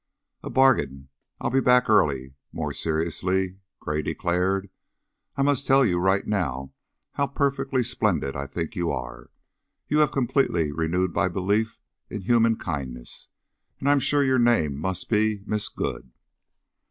"A bargain! I'll be back early." More seriously, Gray declared: "I must tell you right now how perfectly splendid I think you are. You have completely renewed my belief in human kindness, and I'm sure your name must be Miss Good."